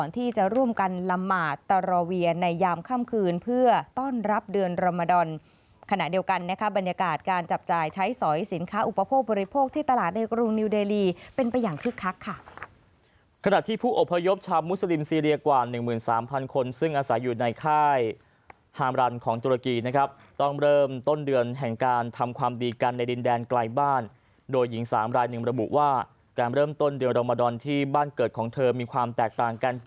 ที่จะร่วมกันละหมาตรวเวียในยามค่ำคืนเพื่อต้อนรับเดือนรมดอนขณะเดียวกันนะครับบรรยากาศการจับจ่ายใช้สอยสินค้าอุปโภคบริโภคที่ตลาดในกรุงนิวเดลีเป็นไปอย่างคือคักค่ะขณะที่ผู้อพยพชาวมุสลิมซีเรียกว่า๑๓๐๐๐คนซึ่งอาศัยอยู่ในค่ายฮามรันของตุรกีนะครับต้องเริ่มต้นเดือนแห่งการ